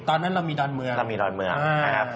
ตอนนั้นเรามีดอนเมืองเรามีดอนเมืองนะครับ